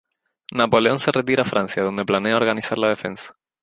Napoleón se retira a Francia, donde planea organizar la defensa.